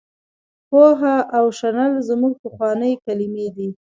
پوهه او شنل زموږ پخوانۍ کلمې دي.